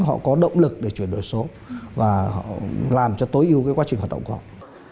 họ có động lực để chuyển đổi số và họ làm cho tối ưu quá trình hoạt động của họ